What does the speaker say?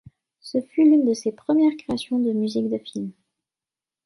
Ce fut l'une de ses premieres créations de musique de film.